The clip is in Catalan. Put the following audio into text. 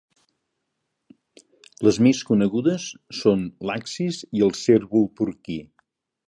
Les més conegudes són l'axis i el cérvol porquí.